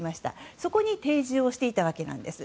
そこに定住をしていたわけです。